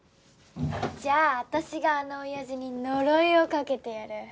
じゃあ私があのオヤジに呪いをかけてやる。